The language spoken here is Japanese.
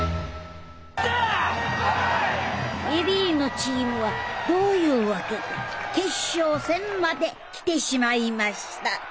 恵里のチームはどういうわけか決勝戦まできてしまいました。